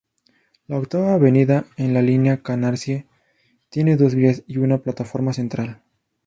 La Octava Avenida en la línea Canarsie tiene dos vías y una plataforma central.